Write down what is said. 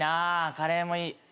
カレーもいい。